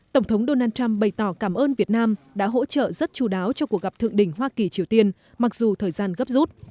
tổng thống donald trump bày tỏ cảm ơn việt nam đã hỗ trợ rất chú đáo cho cuộc gặp thượng đỉnh hoa kỳ triều tiên mặc dù thời gian gấp rút